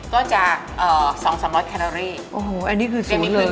ก็จะ๒๓๐๐แคลอรี่โอ้โหอันนี้คือ๐เลย